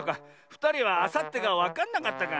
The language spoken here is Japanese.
ふたりはあさってがわかんなかったか。